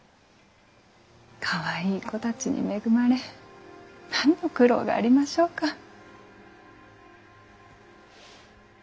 かわいい子たちに恵まれ何の苦労がありましょうか。